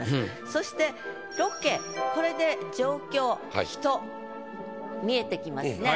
そして「ロケ」これで状況・人見えてきますね。